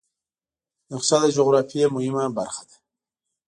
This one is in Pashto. نقشه د جغرافیې مهمه برخه ده.